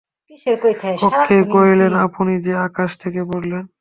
অক্ষয় কহিলেন, আপনি যে আকাশ থেকে পড়লেন!